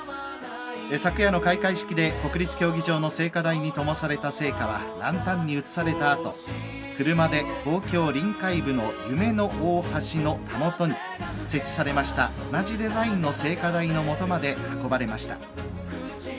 昨夜の開会式で国立競技場の聖火台にともされた聖火はランタンに移されたあと、車で東京臨海部の夢の大橋のたもとに設置されました同じデザインの聖火台のもとまで運ばれました。